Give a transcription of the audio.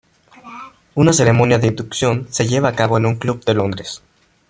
Una ceremonia de inducción se lleva a cabo en un club de Londres.